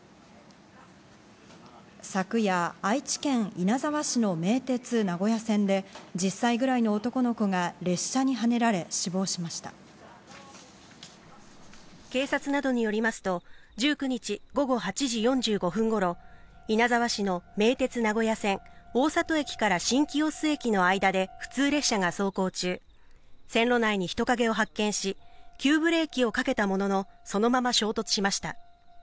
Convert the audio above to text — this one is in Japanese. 昨夜、愛知県稲沢市の名鉄名古屋線で１０歳くらいの男の子が警察などによりますと１９日午後８時４５分頃、稲沢市の名鉄名古屋線大里駅から新清洲駅の間で普通列車が走行中、線路内に人影を発見し、急ブレーキをかけたものの、そのまま衝突しました。